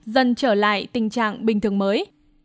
dần trở lại tình trạng bình thường mới